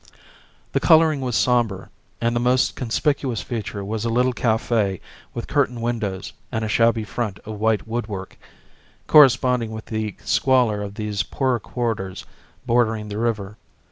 The colouring was sombre, and the most conspicuous feature was a little cafe with curtained windows and a shabby front of white woodwork, corresponding with the squalor of these poorer quarters bordering the river.